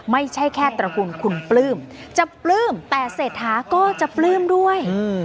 ไม่ใช่แค่ตระกูลคุณปลื้มจะปลื้มแต่เศรษฐาก็จะปลื้มด้วย